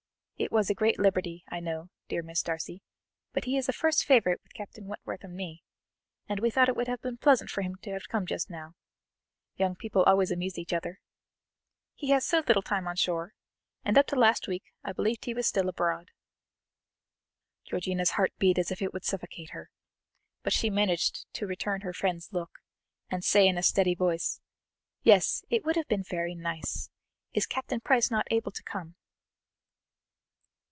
It was a great liberty, I know, dear Miss Darcy, but he is a first favourite with Captain Wentworth and me, and we thought it would have been pleasant for him to have come just now; young people always amuse each other. He has so little time on shore, and up to last week I believed he was still abroad." Georgiana's heart beat as if it would suffocate her, but she managed to return her friend's look, and say in a steady voice: "Yes, it would have been very nice. Is Captain Price not able to come?"